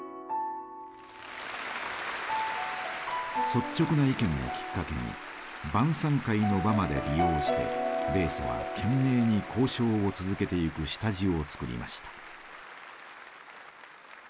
率直な意見をきっかけに晩餐会の場まで利用して米ソは懸命に交渉を続けていく下地を作りました。